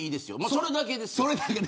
それだけです。